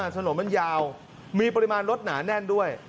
ถนนมันยาวมีปริมาณรถหนาแน่นด้วย